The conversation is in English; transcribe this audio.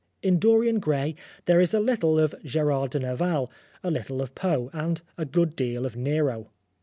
In Dorian Gray there is a little of Gerard de Nerval, a little of Poe, and a good deal of Nero.